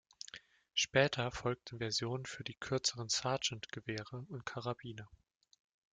Später folgten Versionen für die kürzeren Sergeant-Gewehre und Karabiner.